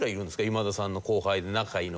今田さんの後輩で仲がいいの。